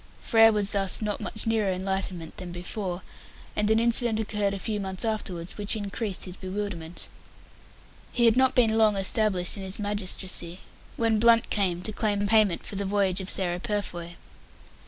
Frere was thus not much nearer enlightenment than before, and an incident occurred a few months afterwards which increased his bewilderment He had not been long established in his magistracy, when Blunt came to claim payment for the voyage of Sarah Purfoy.